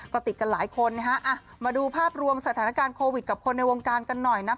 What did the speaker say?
ก็ติดกันหลายคนนะฮะมาดูภาพรวมสถานการณ์โควิดกับคนในวงการกันหน่อยนะ